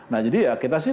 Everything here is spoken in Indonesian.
nah jadi ya kita sih